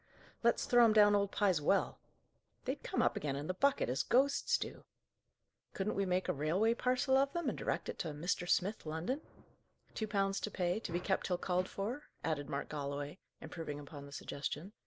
"Let's throw 'em down old Pye's well!" "They'd come up again in the bucket, as ghosts do!" "Couldn't we make a railway parcel of them, and direct it to 'Mr. Smith, London?'" "'Two pounds to pay; to be kept till called for,'" added Mark Galloway, improving upon the suggestion.